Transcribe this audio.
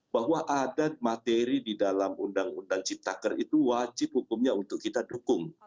bahwa ada materi di dalam undang undang ciptaker itu wajib hukumnya untuk kita dukung